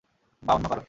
বা অন্য কারো।